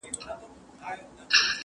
تیارو د بیلتانه ته به مي بېرته رڼا راسي-